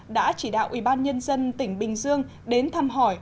đã chỉ đạo ủy ban nhân dân tỉnh bình dương đến thăm hỏi